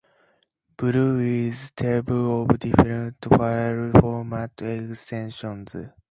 Below is a table of different file format extensions.